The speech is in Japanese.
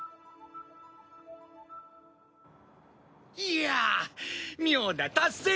いや妙な達成感！